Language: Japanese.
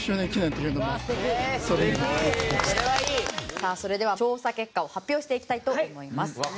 さあそれでは調査結果を発表していきたいと思います。